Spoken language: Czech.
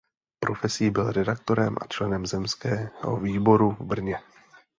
Profesí byl redaktorem a členem zemského výboru v Brně.